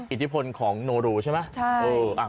อิทธิพลของโนรูใช่ไหม